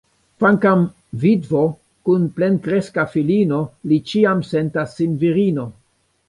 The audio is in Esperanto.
Kvankam vidvo, kun plenkreska filino, li ĉiam sentas sin virino.